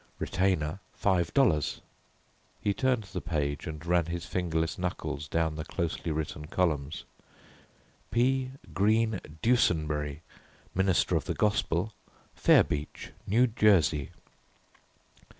Retainer Five Dollars." He turned the page and ran his fingerless knuckles down the closely written columns. "P. Greene Dusenberry, Minister of the Gospel, Fairbeach, New Jersey.